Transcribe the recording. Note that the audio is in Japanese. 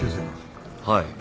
はい。